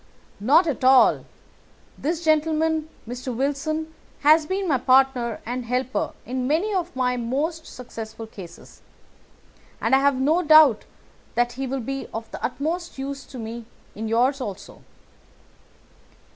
"Not at all. This gentleman, Mr. Wilson, has been my partner and helper in many of my most successful cases, and I have no doubt that he will be of the utmost use to me in yours also."